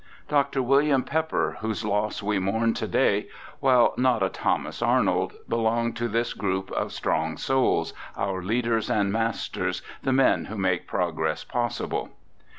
Dr. William Pepper, whose loss we mourn to day, while not a Thomas Arnold, belonged to this group of strong souls, our leaders and masters, the men who make progress possible.